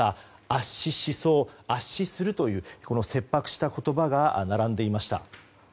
圧死しそう、圧死するという切迫した言葉が並んでいました。